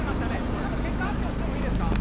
ちょっと結果発表してもいいですか。